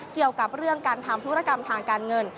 เกี่ยวกับเรื่องการทำธุรกรรมทางการเงิน